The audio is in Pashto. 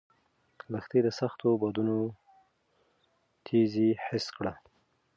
لښتې د سختو بادونو تېزي حس کړه.